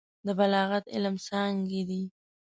د بلاغت علم څانګې دي.